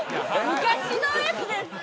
昔のやつですから！